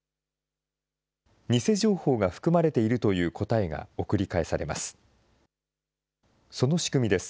偽情報が含まれているという答えが送り返されます。